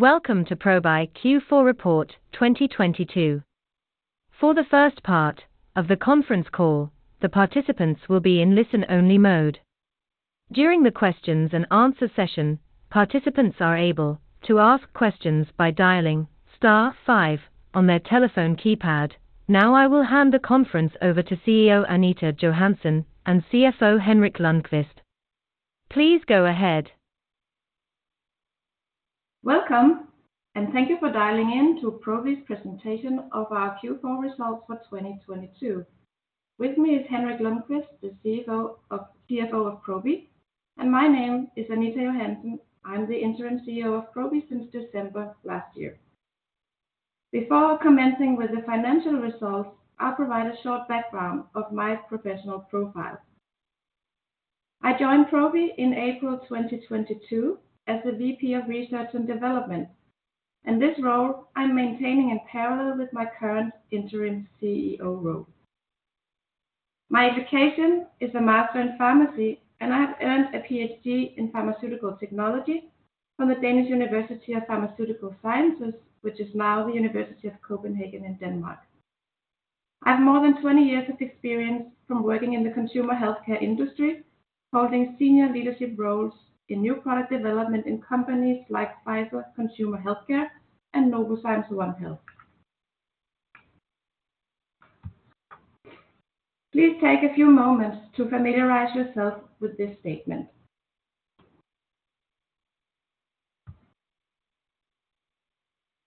Welcome to Probi Q4 Report 2022. For the first part of the conference call, the participants will be in listen only mode. During the questions and answer session, participants are able to ask questions by dialing star five on their telephone keypad. Now I will hand the conference over to CEO Anita Johansen and CFO Henrik Lundkvist. Please go ahead. Welcome, and thank you for dialing in to Probi's presentation of our Q4 Results for 2022. With me is Henrik Lundkvist, the CFO of Probi, and my name is Anita Johansen. I'm the interim CEO of Probi since December last year. Before commencing with the financial results, I'll provide a short background of my professional profile. I joined Probi in April 2022 as the VP of Research and Development. In this role, I'm maintaining in parallel with my current interim CEO role. My education is a Master in Pharmacy, and I have earned a PhD in Pharmaceutical Technology from the Danish University of Pharmaceutical Sciences, which is now the University of Copenhagen in Denmark. I have more than 20 years of experience from working in the consumer healthcare industry, holding senior leadership roles in new product development in companies like Pfizer Consumer Healthcare and Novozymes OneHealth. Please take a few moments to familiarize yourself with this statement.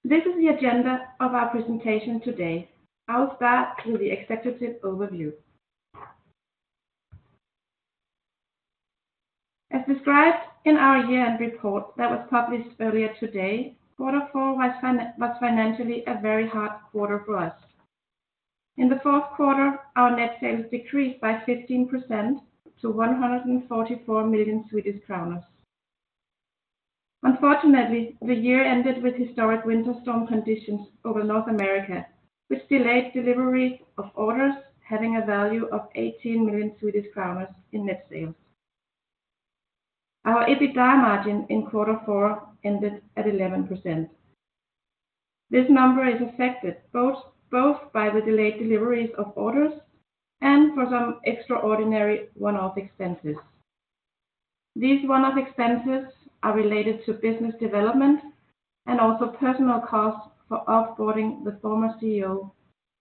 This is the agenda of our presentation today. I'll start with the executive overview. As described in our year-end report that was published earlier today, quarter four was financially a very hard quarter for us. In the fourth quarter, our net sales decreased by 15% to 144 million. Unfortunately, the year ended with historic winter storm conditions over North America, which delayed delivery of orders having a value of 18 million Swedish kronor in net sales. Our EBITDA margin in quarter four ended at 11%. This number is affected both by the delayed deliveries of orders and for some extraordinary one-off expenses. These one-off expenses are related to business development and also personal costs for off-boarding the former CEO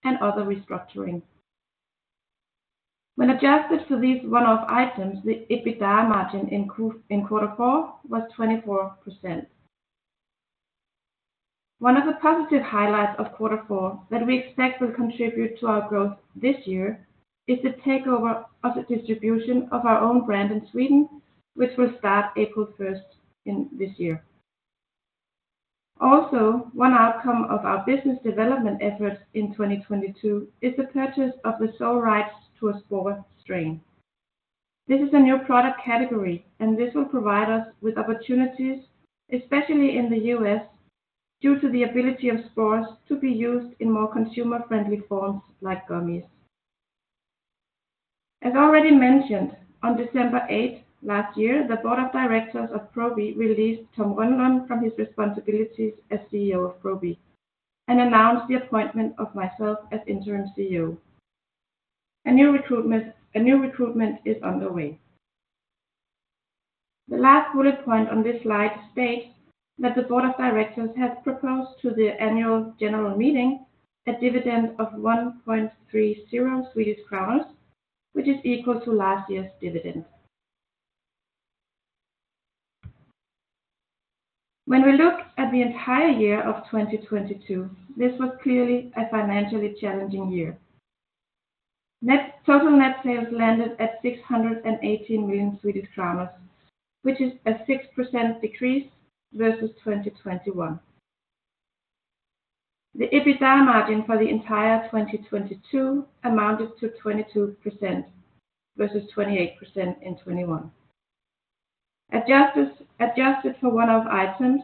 and other restructuring. When adjusted to these one-off items, the EBITDA margin in quarter four was 24%. One of the positive highlights of quarter four that we expect will contribute to our growth this year is the takeover of the distribution of our own brand in Sweden, which will start April 1st in this year. One outcome of our business development efforts in 2022 is the purchase of the sole rights to a spore strain. This is a new product category, this will provide us with opportunities, especially in the U.S., due to the ability of spores to be used in more consumer-friendly forms like gummies. As already mentioned, on December 8th last year, the board of directors of Probi released Tom Rönnlund from his responsibilities as CEO of Probi and announced the appointment of myself as interim CEO. A new recruitment is underway. The last bullet point on this slide states that the board of directors has proposed to the annual general meeting a dividend of 1.30 Swedish crowns, which is equal to last year's dividend. When we look at the entire year of 2022, this was clearly a financially challenging year. Total net sales landed at 618 million Swedish kronor, which is a 6% decrease versus 2021. The EBITDA margin for the entire 2022 amounted to 22% versus 28% in 2021. Adjusted for one-off items,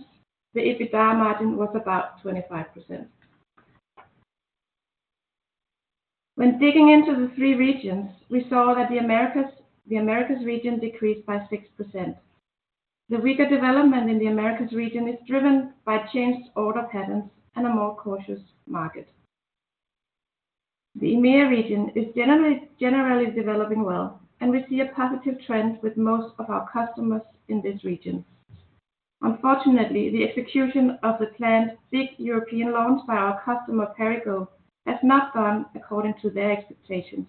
the EBITDA margin was about 25%. When digging into the three regions, we saw that the Americas region decreased by 6%. The weaker development in the Americas region is driven by changed order patterns and a more cautious market. The EMEA region is generally developing well, and we see a positive trend with most of our customers in this region. Unfortunately, the execution of the planned big European launch by our customer Perrigo has not gone according to their expectations,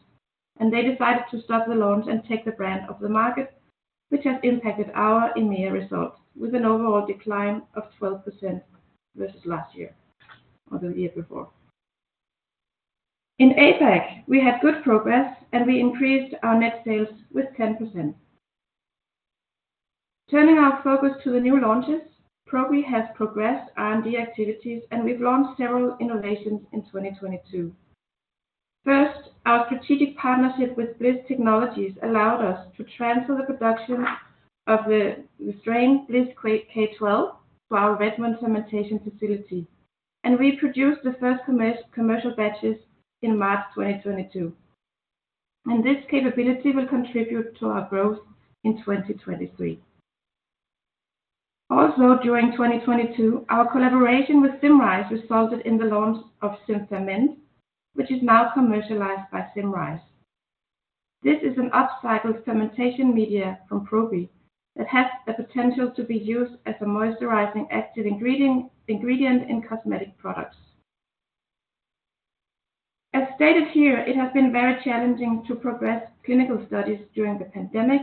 and they decided to stop the launch and take the brand off the market, which has impacted our EMEA results with an overall decline of 12% versus last year or the year before. In APAC, we had good progress, and we increased our net sales with 10%. Turning our focus to the new launches, Probi has progressed R&D activities, and we've launched several innovations in 2022. First, our strategic partnership with Blis Technologies allowed us to transfer the production of the strain BLIS K12 to our Redmond fermentation facility. We produced the first commercial batches in March 2022. This capability will contribute to our growth in 2023. Also during 2022, our collaboration with Symrise resulted in the launch of SymFerment, which is now commercialized by Symrise. This is an upcycled fermentation media from Probi that has the potential to be used as a moisturizing active ingredient in cosmetic products. As stated here, it has been very challenging to progress clinical studies during the pandemic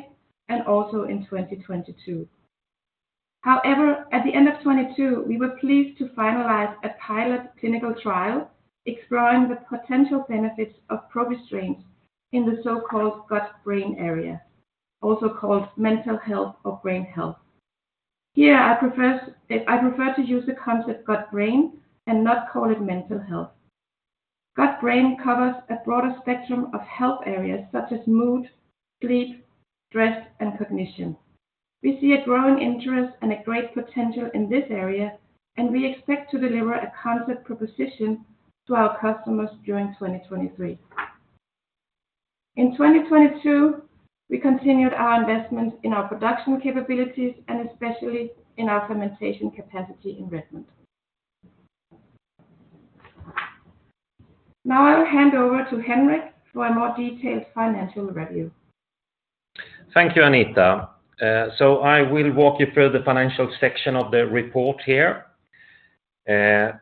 and also in 2022. However, at the end of 2022, we were pleased to finalize a pilot clinical trial exploring the potential benefits of Probi strains in the so-called gut-brain area, also called mental health or brain health. Here, I prefer to use the concept Gut-brain and not call it mental health. Gut-brain covers a broader spectrum of health areas such as mood, sleep, stress, and cognition. We see a growing interest and a great potential in this area. We expect to deliver a concept proposition to our customers during 2023. In 2022, we continued our investment in our production capabilities and especially in our fermentation capacity investment. Now I will hand over to Henrik for a more detailed financial review. Thank you, Anita. I will walk you through the financial section of the report here. As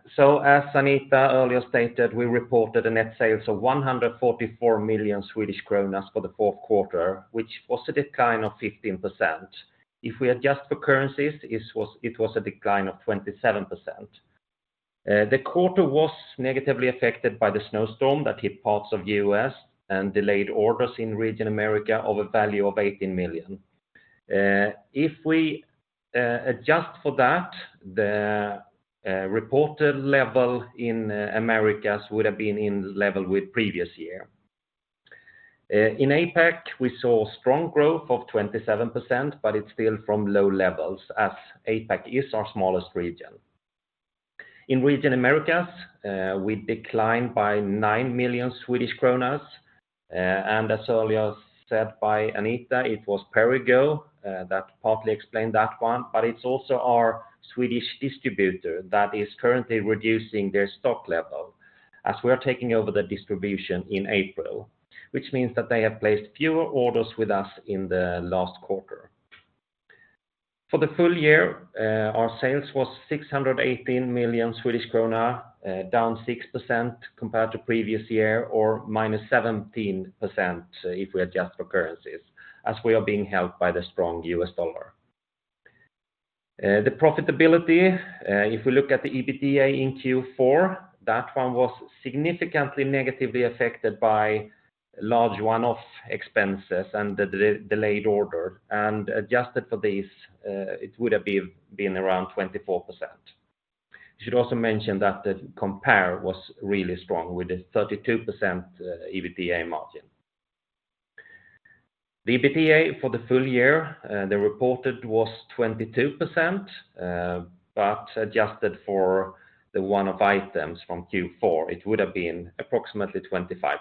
Anita earlier stated, we reported a net sales of 144 million Swedish kronor for the fourth quarter, which was a decline of 15%. If we adjust for currencies, it was a decline of 27%. The quarter was negatively affected by the snowstorm that hit parts of the U.S. and delayed orders in region Americas of a value of 18 million. If we adjust for that, the reported level in Americas would have been in level with previous year. In APAC, we saw strong growth of 27%, but it's still from low levels as APAC is our smallest region. In region Americas, we declined by 9 million Swedish kronor, and as earlier said by Anita, it was Perrigo that partly explained that one, but it's also our Swedish distributor that is currently reducing their stock level as we are taking over the distribution in April, which means that they have placed fewer orders with us in the last quarter. For the full year, our sales was 618 million Swedish krona, down 6% compared to previous year, or -17% if we adjust for currencies, as we are being helped by the strong US dollar. The profitability, if we look at the EBITDA in Q4, that one was significantly negatively affected by large one-off expenses and the de-delayed order, and adjusted for this, it would have been around 24%. Should also mention that the compare was really strong with a 32% EBITDA margin. The EBITDA for the full year, the reported was 22%, but adjusted for the one-off items from Q4, it would have been approximately 25%.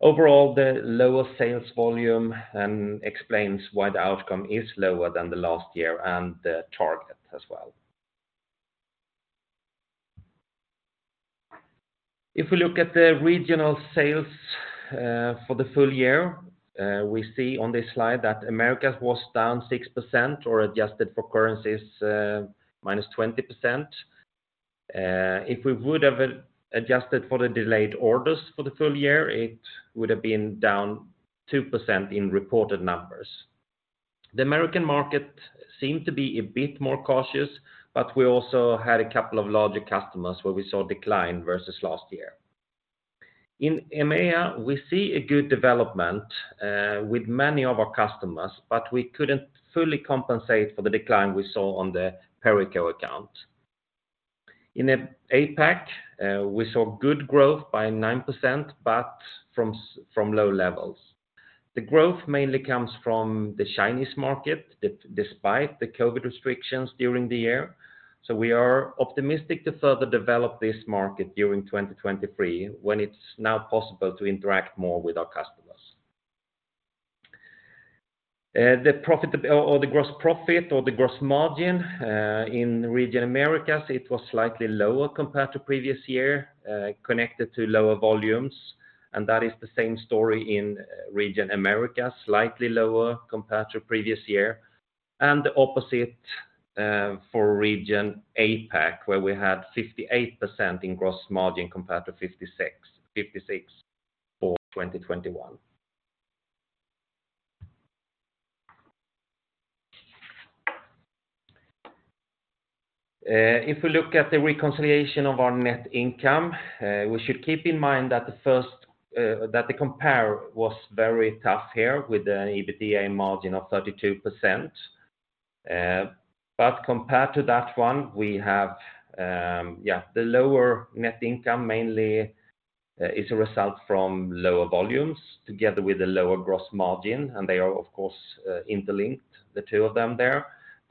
Overall, the lower sales volume explains why the outcome is lower than last year and the target as well. If we look at the regional sales for the full year, we see on this slide that Americas was down 6% or adjusted for currencies, minus 20%. If we would have adjusted for the delayed orders for the full year, it would have been down 2% in reported numbers. The American market seemed to be a bit more cautious, but we also had a couple of larger customers where we saw decline versus last year. In EMEA, we see a good development with many of our customers, but we couldn't fully compensate for the decline we saw on the Perrigo account. In APAC, we saw good growth by 9%, but from low levels. The growth mainly comes from the Chinese market despite the COVID restrictions during the year. We are optimistic to further develop this market during 2023 when it's now possible to interact more with our customers. The profit or the gross profit or the gross margin in region Americas, it was slightly lower compared to previous year, connected to lower volumes. That is the same story in region America, slightly lower compared to previous year. The opposite for region APAC, where we had 58% in gross margin compared to 56% for 2021. If we look at the reconciliation of our net income, we should keep in mind that the first, that the compare was very tough here with an EBITDA margin of 32%. Compared to that one, we have, the lower net income mainly is a result from lower volumes together with a lower gross margin. They are, of course, interlinked, the two of them there.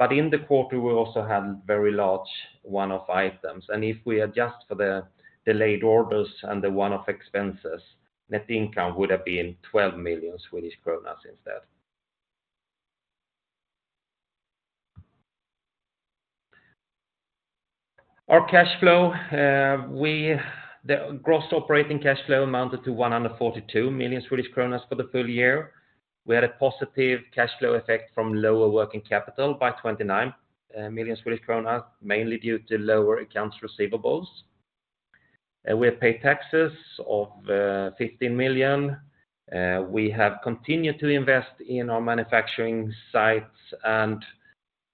In the quarter, we also had very large one-off items. If we adjust for the delayed orders and the one-off expenses, net income would have been 12 million Swedish kronor instead. Our cash flow, the gross operating cash flow amounted to 142 million Swedish kronor for the full year. We had a positive cash flow effect from lower working capital by 29 million Swedish kronor, mainly due to lower accounts receivables. We have paid taxes of 15 million. We have continued to invest in our manufacturing sites.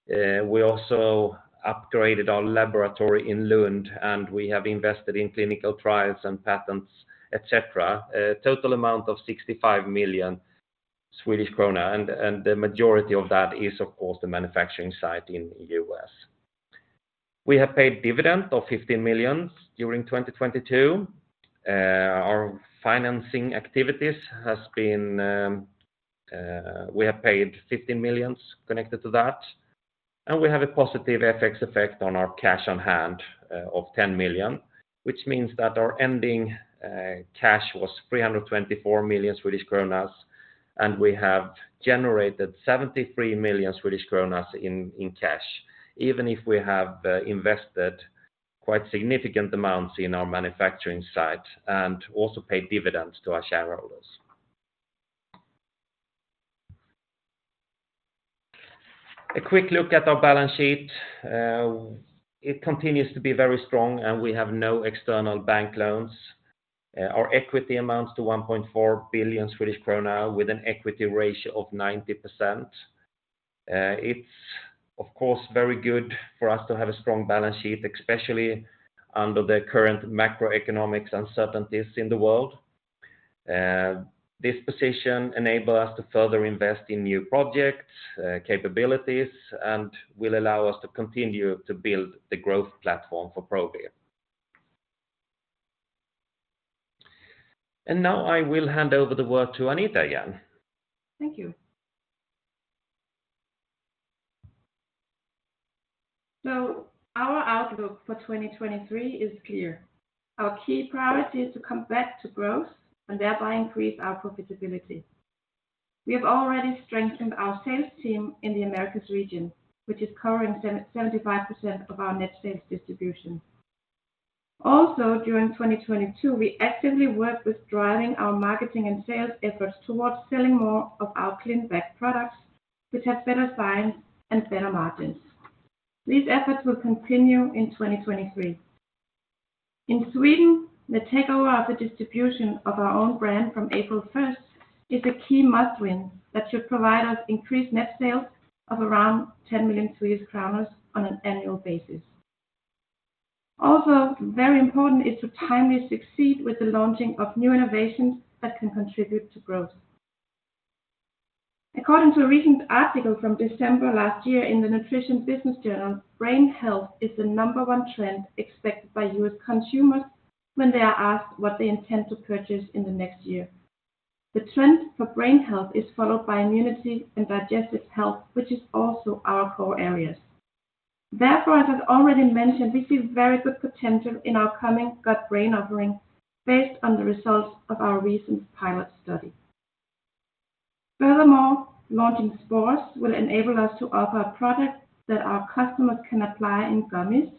We also upgraded our laboratory in Lund, and we have invested in clinical trials and patents, et cetera. Total amount of 65 million Swedish krona, and the majority of that is, of course, the manufacturing site in U.S. We have paid dividend of 15 million during 2022. Our financing activities has been, we have paid 15 million connected to that. We have a positive FX effect on our cash on hand of 10 million, which means that our ending cash was 324 million Swedish kronor. We have generated 73 million Swedish kronor in cash, even if we have invested quite significant amounts in our manufacturing site and also paid dividends to our shareholders. A quick look at our balance sheet. It continues to be very strong, and we have no external bank loans. Our equity amounts to 1.4 billion Swedish krona with an equity ratio of 90%. It's of course, very good for us to have a strong balance sheet, especially under the current macroeconomics uncertainties in the world. This position enable us to further invest in new projects, capabilities, and will allow us to continue to build the growth platform for Probi. Now I will hand over the word to Anita again. Thank you. Our outlook for 2023 is clear. Our key priority is to come back to growth and thereby increase our profitability. We have already strengthened our sales team in the Americas region, which is covering 75% of our net sales distribution. Also, during 2022, we actively worked with driving our marketing and sales efforts towards selling more of our Probi ClinBac® products, which have better science and better margins. These efforts will continue in 2023. In Sweden, the takeover of the distribution of our own brand from April 1st is a key must-win that should provide us increased net sales of around 10 million on an annual basis. Also, very important is to timely succeed with the launching of new innovations that can contribute to growth. According to a recent article from December last year in the Nutrition Business Journal, brain health is the number one trend expected by U.S. consumers when they are asked what they intend to purchase in the next year. The trend for brain health is followed by immunity and digestive health, which is also our core areas. Therefore, as I've already mentioned, we see very good potential in our coming gut-brain offering based on the results of our recent pilot study. Furthermore, launching spores will enable us to offer a product that our customers can apply in gummies.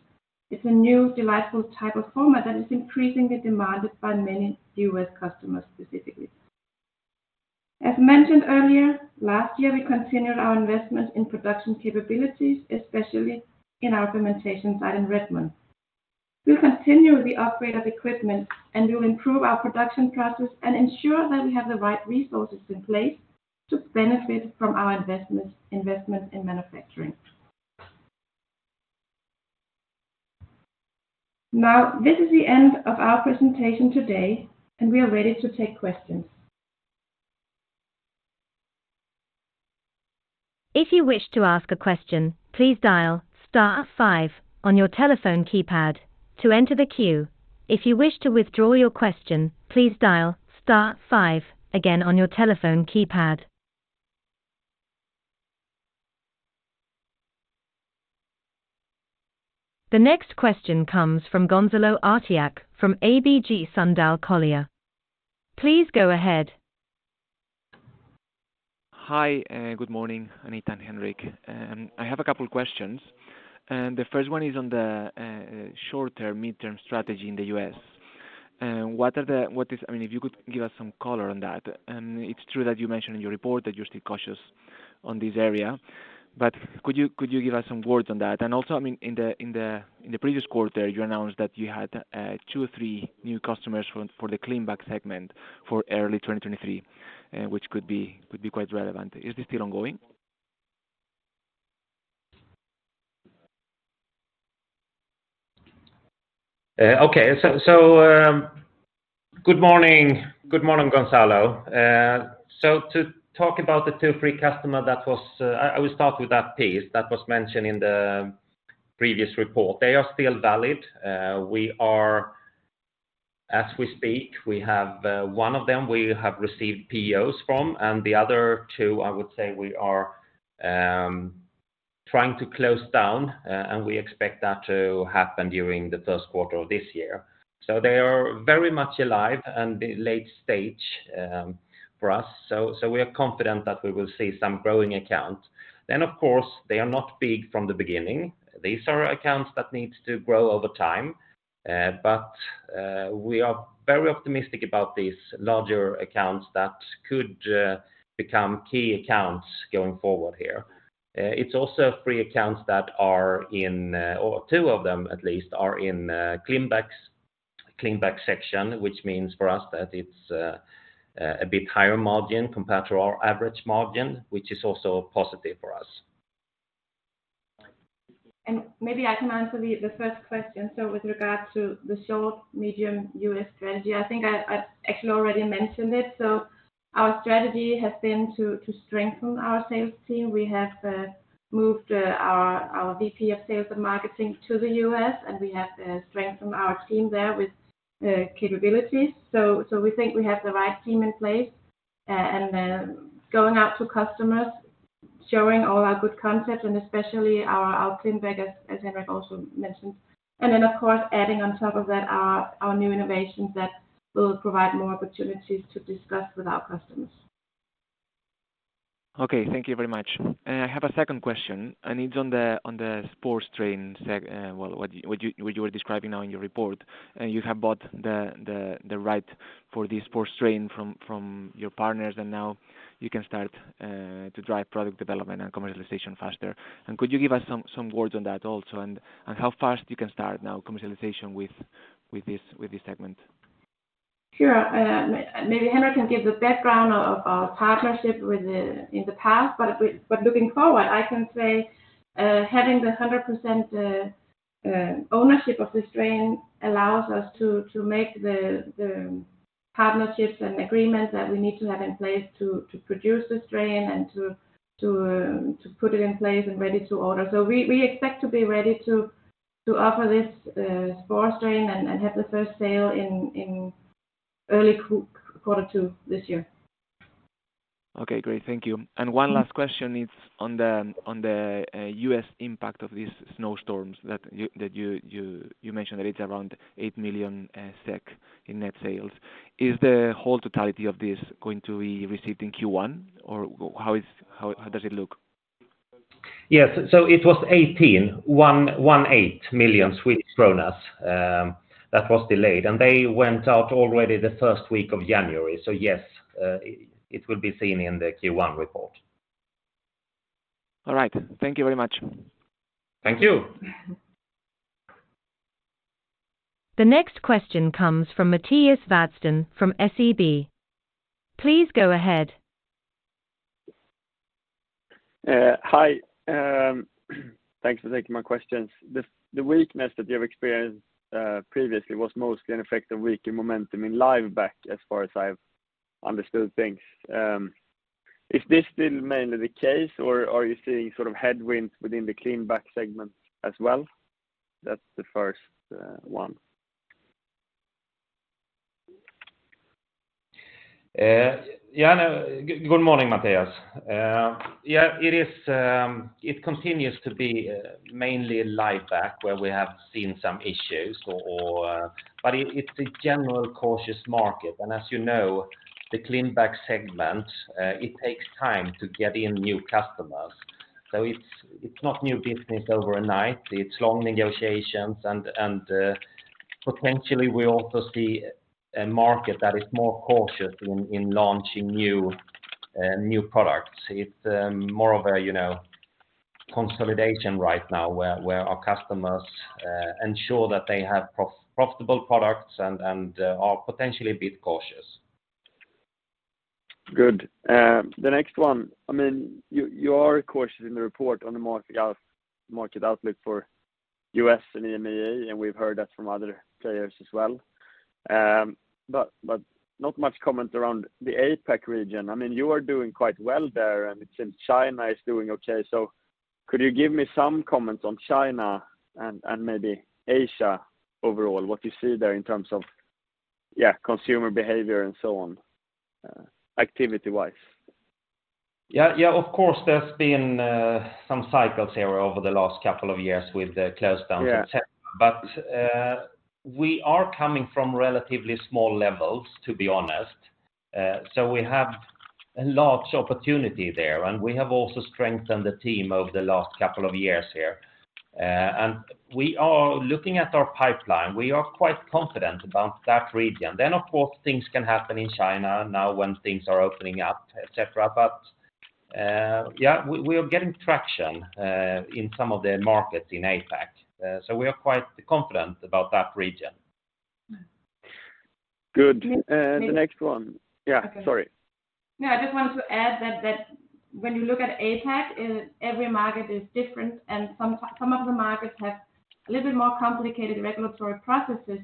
It's a new delightful type of format that is increasingly demanded by many U.S. customers specifically. As mentioned earlier, last year, we continued our investment in production capabilities, especially in our fermentation site in Redmond. We'll continue the upgrade of equipment, and we'll improve our production process and ensure that we have the right resources in place to benefit from our investments, investment in manufacturing. This is the end of our presentation today, and we are ready to take questions. If you wish to ask a question, please dial star five on your telephone keypad to enter the queue. If you wish to withdraw your question, please dial star five again on your telephone keypad. The next question comes from Gonzalo Artiach from ABG Sundal Collier. Please go ahead. Hi, good morning, Anita and Henrik. I have a couple questions, the first one is on the short-term, midterm strategy in the U.S. What is, I mean, if you could give us some color on that. It's true that you mentioned in your report that you're still cautious on this area, could you give us some words on that? Also, I mean, in the previous quarter, you announced that you had two or three new customers for the Probi ClinBac® segment for early 2023, which could be quite relevant. Is this still ongoing? Okay. Good morning. Good morning, Gonzalo. To talk about the two or three customer, that was, I will start with that piece that was mentioned in the previous report. They are still valid. As we speak, we have one of them we have received POs from, and the other two, I would say we are trying to close down, and we expect that to happen during the first quarter of this year. They are very much alive and the late stage for us. We are confident that we will see some growing accounts. Of course, they are not big from the beginning. These are accounts that needs to grow over time. We are very optimistic about these larger accounts that could become key accounts going forward here. It's also three accounts that or two of them at least are in, ClinBac®s, ClinBac® section, which means for us that it's a bit higher margin compared to our average margin, which is also positive for us. Maybe I can answer the first question. With regards to the short, medium US strategy, I think I actually already mentioned it. Our strategy has been to strengthen our sales team. We have moved our VP of sales and marketing to the U.S., and we have strengthened our team there with capabilities. We think we have the right team in place, then going out to customers, showing all our good concepts and especially our ClinBac® as Henrik also mentioned. Then of course, adding on top of that our new innovations that will provide more opportunities to discuss with our customers. Okay. Thank you very much. I have a second question, and it's on the spore strain what you were describing now in your report. You have bought the right for the spore strain from your partners, and now you can start to drive product development and commercialization faster. Could you give us some words on that also and how fast you can start now commercialization with this segment? Sure. Maybe Henrik can give the background of our partnership in the past, looking forward, I can say, having the 100% ownership of the strain allows us to make the partnerships and agreements that we need to have in place to produce the strain and to put it in place and ready to order. We expect to be ready to offer this spore strain and have the first sale in early quarter two this year. Okay, great. Thank you. One last question is on the U.S. impact of these snowstorms that you mentioned that it's around 8 million SEK in net sales. Is the whole totality of this going to be received in Q1? Or how does it look? Yes. It was 118 million Swedish kronor that was delayed, and they went out already the first week of January. Yes, it will be seen in the Q1 report. All right. Thank you very much. Thank you. The next question comes from Mattias Vadsten from SEB. Please go ahead. Hi. Thanks for taking my questions. The weakness that you have experienced previously was mostly an effect of weaker momentum in LiveBac® as far as I've understood things. Is this still mainly the case, or are you seeing sort of headwinds within the ClinBac® segment as well? That's the first one. Yeah. Good morning, Mattias. Yeah, it is, it continues to be mainly LiveBac® where we have seen some issues or. It's a general cautious market. As you know, the ClinBac® segment, it takes time to get in new customers. It's, it's not new business overnight. It's long negotiations and, potentially we also see a market that is more cautious in launching new products. It's, more of a, you know, consolidation right now where our customers, ensure that they have profitable products and, are potentially a bit cautious. Good. The next one, I mean, you are cautious in the report on the market outlook for US and EMEA, and we've heard that from other players as well. Not much comment around the APAC region. I mean, you are doing quite well there, and it's in China is doing okay. Could you give me some comments on China and maybe Asia overall, what you see there in terms of consumer behavior and so on, activity-wise? Yeah, of course, there's been some cycles here over the last couple of years with the close down-. Yeah ...etc. We are coming from relatively small levels, to be honest. We have a large opportunity there, and we have also strengthened the team over the last couple of years here. We are looking at our pipeline. We are quite confident about that region. Of course, things can happen in China now when things are opening up, et cetera. Yeah, we are getting traction in some of the markets in APAC. We are quite confident about that region. Good. May- The next one. Okay. Yeah, sorry. No, I just wanted to add that when you look at APAC, every market is different, and some of the markets have a little bit more complicated regulatory processes.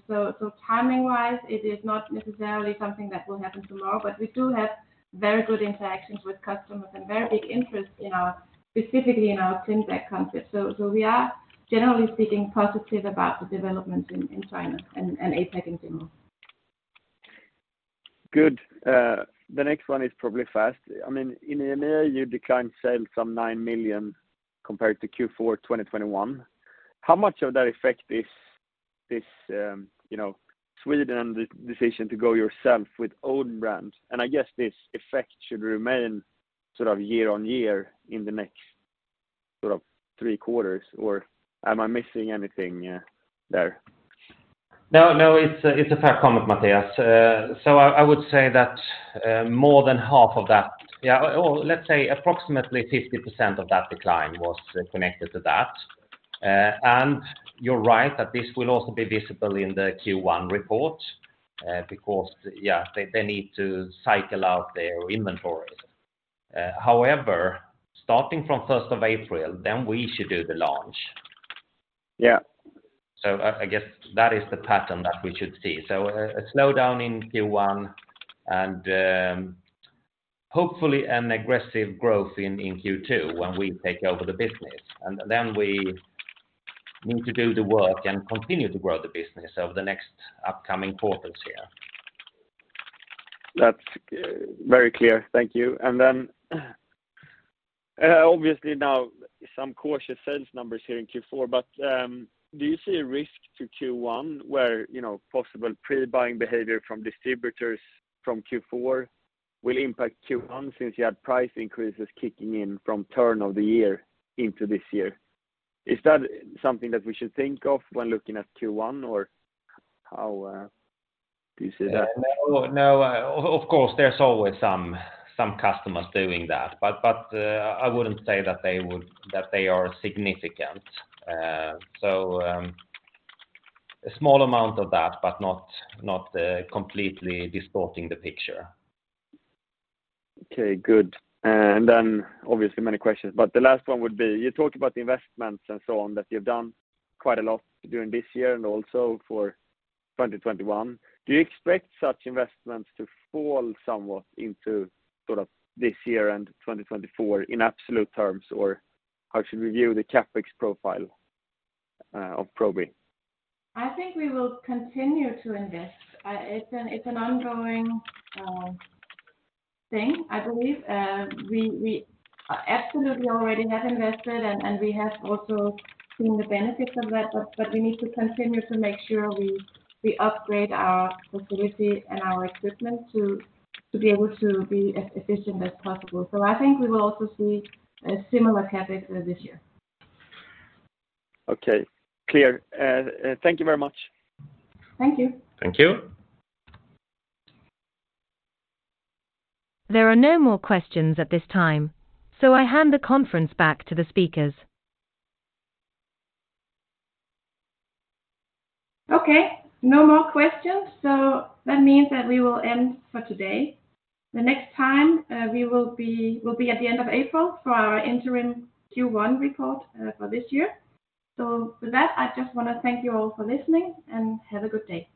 Timing-wise, it is not necessarily something that will happen tomorrow, but we do have very good interactions with customers and very big interest in our, specifically in our ClinBac® concept. We are generally speaking positive about the developments in China and APAC in general. Good. The next one is probably fast. I mean, in EMEA, you declined sales some 9 million compared to Q4 2021. How much of that effect is this, you know, Sweden decision to go yourself with own brands? I guess this effect should remain sort of year-on-year in the next sort of 3 quarters, or am I missing anything there? No, no, it's a fair comment, Mattias. I would say that more than half of that, or let's say approximately 50% of that decline was connected to that. You're right that this will also be visible in the Q1 report because they need to cycle out their inventories. Starting from first of April then we should do the launch. Yeah. I guess that is the pattern that we should see. A slowdown in Q1 and hopefully an aggressive growth in Q2 when we take over the business. Then we need to do the work and continue to grow the business over the next upcoming quarters here. That's very clear. Thank you. Obviously now some cautious sales numbers here in Q4, but do you see a risk to Q1 where, you know, possible pre-buying behavior from distributors from Q4 will impact Q1 since you had price increases kicking in from turn of the year into this year? Is that something that we should think of when looking at Q1 or how do you see that? No, no. Of course, there's always some customers doing that, but, I wouldn't say that they are significant. A small amount of that, but not, completely distorting the picture. Okay, good. Obviously many questions, but the last one would be, you talked about the investments and so on that you've done quite a lot during this year and also for 2021. Do you expect such investments to fall somewhat into sort of this year and 2024 in absolute terms? How should we view the CapEx profile of Probi? I think we will continue to invest. It's an ongoing thing, I believe. We absolutely already have invested, and we have also seen the benefits of that, but we need to continue to make sure we upgrade our facility and our equipment to be able to be as efficient as possible. I think we will also see a similar CapEx this year. Okay, clear. Thank you very much. Thank you. Thank you. There are no more questions at this time, so I hand the conference back to the speakers. Okay. No more questions, that means that we will end for today. The next time, we will be at the end of April for our interim Q1 report for this year. With that, I just want to thank you all for listening, and have a good day.